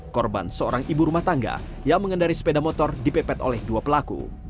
korban seorang ibu rumah tangga yang mengendari sepeda motor dipepet oleh dua pelaku